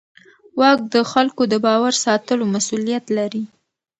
واک د خلکو د باور ساتلو مسوولیت لري.